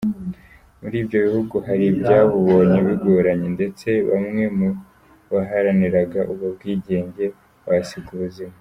Muri ibyo bihugu hari ibyabubonye bigoranye, ndetse bamwe mu baharaniraga ubwo bwigenge bahasiga ubuzima.